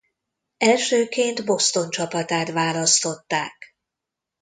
Elsőként Boston csapatát választották.